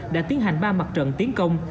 đã tiến hành ba mặt trận tiến công